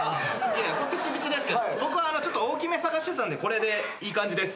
ピチピチですけど僕は大きめ探してたんでこれでいい感じです。